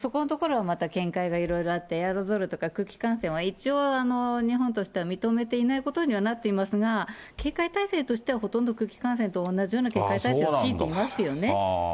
そこのところはまた見解がいろいろあって、エアロゾルとか空気感染は一応、日本としては認めていないことにはなっていますが、警戒態勢としては、ほとんど空気感染と同じような警戒態勢を敷いていますよね。